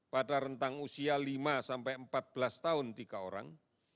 pada rentang usia lima sampai empat belas tahun tiga orang